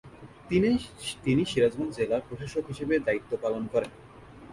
তিনি সিরাজগঞ্জ জেলা প্রশাসক হিসেবেও দায়িত্ব পালন করেন।